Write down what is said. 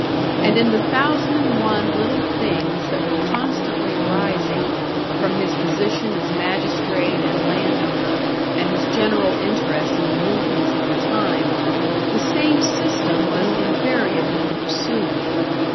And in the thousand and one little things that were constantly arising, from his position as magistrate and land owner, and his general interest in the movements of the time, the same system was invariably pursued.